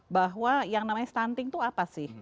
bahwa yang namanya stunting itu apa sih